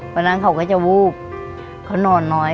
วันนั้นเขาก็จะวูบเขานอนน้อย